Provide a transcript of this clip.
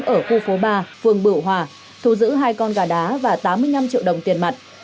ở khu phố ba phường bửu hòa thu giữ hai con gà đá và tám mươi năm triệu đồng tiền mặt